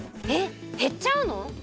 えっへっちゃうの？